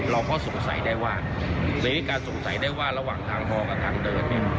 เราก็สงสัยได้ว่าในการสงสัยได้ว่าระหว่างทางพอกับทางเดิน